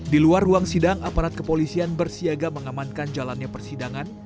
di luar ruang sidang aparat kepolisian bersiaga mengamankan jalannya persidangan